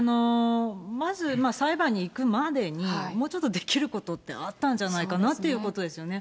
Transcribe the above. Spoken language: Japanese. まず、裁判に行くまでに、もうちょっとできることってあったんじゃないかなってことですよね。